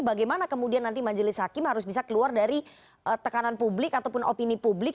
bagaimana kemudian nanti majelis hakim harus bisa keluar dari tekanan publik ataupun opini publik